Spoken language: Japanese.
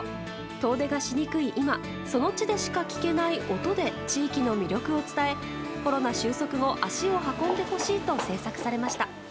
遠出がしにくい今その地でしか聞けない音で地域の魅力を伝えコロナ収束後足を運んでほしいと制作されました。